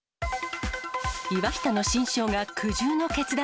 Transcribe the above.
岩下の新生姜、苦渋の決断。